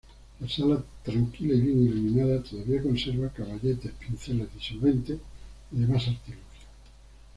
La sala, tranquila y bien iluminada, todavía conserva caballetes, pinceles, disolventes y demás artilugios.